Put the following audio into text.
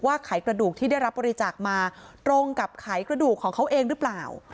ไขกระดูกที่ได้รับบริจาคมาตรงกับไขกระดูกของเขาเองหรือเปล่า